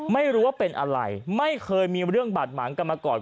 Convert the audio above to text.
ไม่รู้ว่าเป็นอะไรไม่เคยมีเรื่องบาดหมางกันมาก่อน